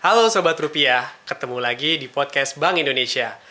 halo sobat rupiah ketemu lagi di podcast bank indonesia